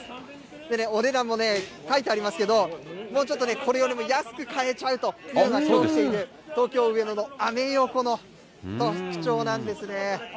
でね、お値段もね、書いてありますけど、もうちょっとね、これよりも安く買えちゃうという、東京・上野のアメ横の特徴なんですね。